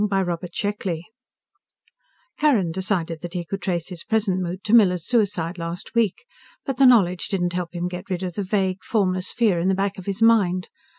_ By ROBERT SHECKLEY Carrin decided that he could trace his present mood to Miller's suicide last week. But the knowledge didn't help him get rid of the vague, formless fear in the back of his mind.